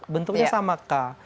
bentuknya sama k